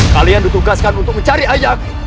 kalian ditugaskan untuk mencari ayah